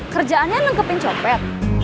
kerjaannya nengkepin copet